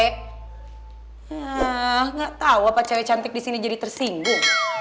ehh gatau apa cewe cantik disini jadi tersinggung